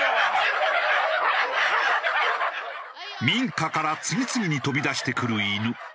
民家から次々に飛び出してくる犬。